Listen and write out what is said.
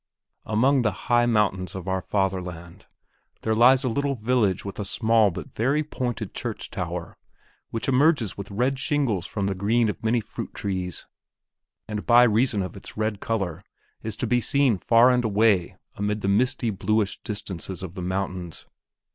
D. Among the high mountains of our fatherland there lies a little village with a small but very pointed church tower which emerges with red shingles from the green of many fruit trees, and by reason of its red color is to be seen far and away amid the misty bluish distances of the mountains.